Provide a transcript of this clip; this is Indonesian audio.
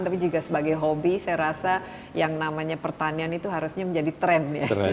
tapi juga sebagai hobi saya rasa yang namanya pertanian itu harusnya menjadi tren ya